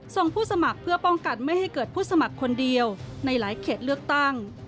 ผู้สมัครเพื่อป้องกันไม่ให้เกิดผู้สมัครคนเดียวในหลายเขตเลือกตั้ง